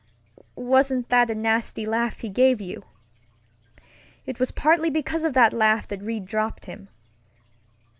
Wasn't that a nasty laugh he gave you? It was partly because of that laugh that Reid dropped him.